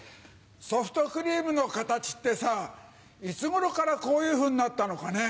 ソフトクリームの形ってさいつ頃からこういうふうになったのかね？